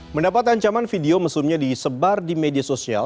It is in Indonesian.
mendapat ancaman video mesumnya disebar di media sosial